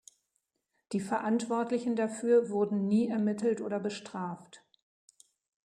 Die Verantwortlichen dafür wurden nie ermittelt oder bestraft.